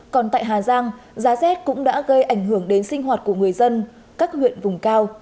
còn tại hà giang giá rét cũng đã gây ảnh hưởng đến sinh hoạt của người dân các huyện vùng cao